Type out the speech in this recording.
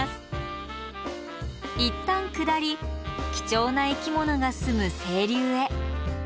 いったん下り貴重な生き物が住む清流へ。